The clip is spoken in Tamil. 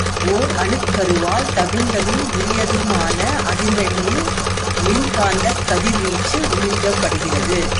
ஓர் அணுக்கருவால் தகுந்ததும் உரியதுமான அதிர் வெண்ணில் மின்காந்தக் கதிர்வீச்சு உறிஞ்சப்படுகிறது.